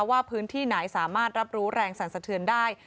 ว่าพื้นที่ไหนสามารถรับรู้แรงสรรสะเทือนได้